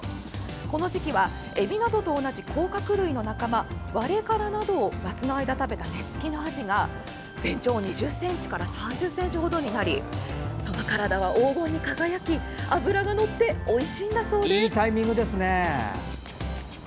この時期は、エビなどと同じ甲殻類の仲間、ワレカラなどを夏の間食べた、根付きのアジが全長２０ｃｍから３０ｃｍ程になりその体は黄金に輝き脂がのっておいしいんだそうです。